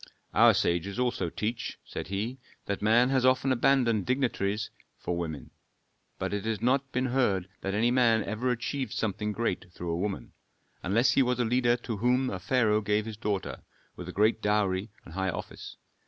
"Our sages also teach," said he, "that man has often abandoned dignities for woman, but it has not been heard that any man ever achieved something great through a woman; unless he was a leader to whom a pharaoh gave his daughter, with a great dowry and high office.